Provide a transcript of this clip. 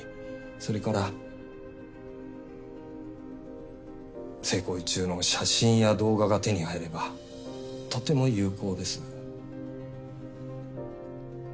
それから性行為中の写真や動画が手に入ればとても有効ですね。